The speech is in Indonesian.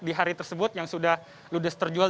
di hari tersebut yang sudah ludes terjual